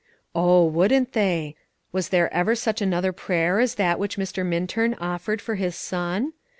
Oh, wouldn't they! Was there ever such another prayer as that which Mr. Minturn offered for his son?